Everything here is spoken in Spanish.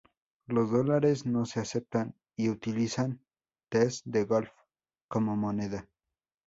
Los dólares no se aceptan y utilizan tees de golf como moneda.